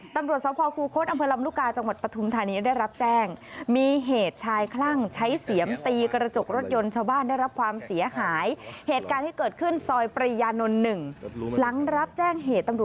ตำรวจสวพครูโค้ดอำเภอลำลูกกาจังหวัดประธุมธานีได้รับแจ้ง